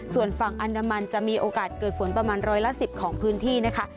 ส่วนฝั่งอันดามันจะมีโอกาสเกิดฝนประมาณร้อยละ๑๐ของพื้นที่นะคะ